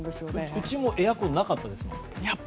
うちもエアコンなかったですもん。